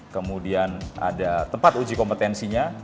kemudian ada tempat uji kompetensinya